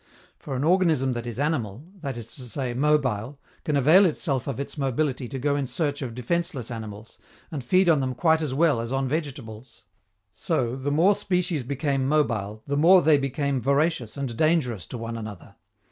For an organism that is animal, that is to say mobile, can avail itself of its mobility to go in search of defenseless animals, and feed on them quite as well as on vegetables. So, the more species became mobile, the more they became voracious and dangerous to one another.